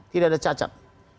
tidak ada cacat